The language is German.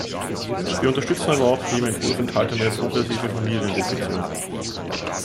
Wir unterstützen aber auch die im Entwurf enthaltene progressive Familiendefinition.